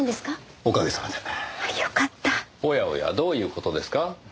おやおやどういう事ですか？